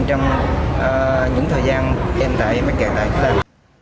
trong những thời gian em bị mắc kẹt tại thái lan